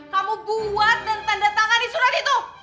kamu buat dan tanda tangan di surat itu